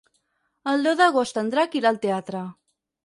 El deu d'agost en Drac irà al teatre.